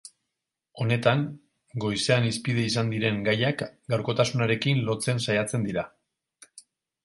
Honetan, goizean hizpide izan diren gaiak gaurkotasunarekin lotzen saiatzen dira.